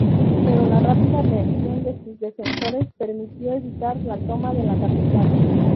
Pero la rápida reacción de sus defensores permitió evitar la toma de la capital.